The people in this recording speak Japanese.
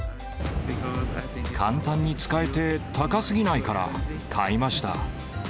簡単に使えて、高すぎないから、買いました。